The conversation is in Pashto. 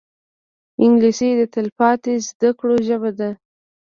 انګلیسي د تلپاتې زده کړو ژبه ده